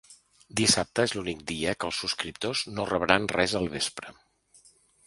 Dissabte és l’únic dia que els subscriptors no rebran res al vespre.